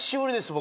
僕。